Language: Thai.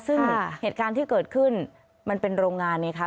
ซึ่งเหตุการณ์ที่เกิดขึ้นมันเป็นโรงงานไงคะ